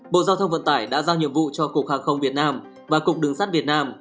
bộ giao thông vận tải đã giao nhiệm vụ cho cục hàng không việt nam và cục đường sắt việt nam